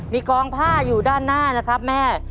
มีกองผ้าอยู่ด้านหน้านะครับแม่